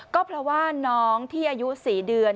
ก็เพราะว่าน้องที่อายุ๔เดือน